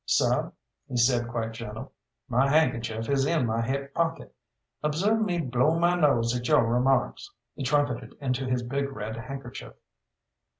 "Seh," he said, quite gentle, "my handkerchief is in my hip pocket; observe me blow my nose at yo' remarks." He trumpeted into his big red handkerchief.